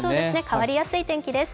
変わりやすい天気です。